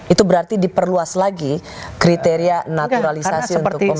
itu berarti diperluas lagi kriteria naturalisasi untuk pemerintah